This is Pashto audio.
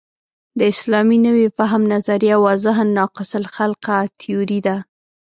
د اسلامي نوي فهم نظریه واضحاً ناقص الخلقه تیوري ده.